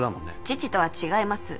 父とは違います